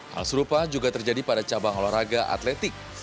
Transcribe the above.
hal serupa juga terjadi pada cabang olahraga atletik